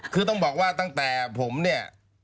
คือต้องบอกว่าตั้งแต่ผมเนี่ย